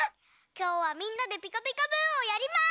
きょうはみんなで「ピカピカブ！」をやります！